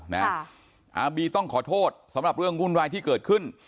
อาร์บีต้องขอโทษสำหรับเรื่องวุ่นวายที่เกิดขึ้น